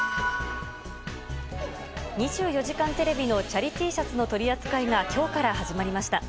「２４時間テレビ」のチャリＴシャツの取り扱いが今日から始まりました。